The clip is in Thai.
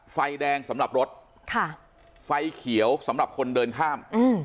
ไฟแดงสำหรับรถค่ะไฟเขียวสำหรับคนเดินข้ามอืม